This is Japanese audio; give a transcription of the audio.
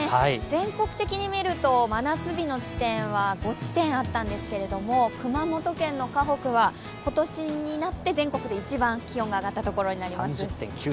全国的に見ると真夏日の地点は５地点あったんですけれども、熊本県の鹿北は今年になって全国で一番気温が上がった所になります。